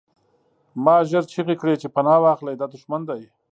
ما ژر چیغې کړې چې پناه واخلئ دا دښمن دی